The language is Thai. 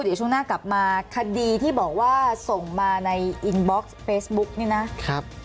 เดี๋ยวช่วงหน้ากลับมาคดีที่บอกว่าส่งมาในอินบ็อกซ์เฟซบุ๊กนี่นะครับ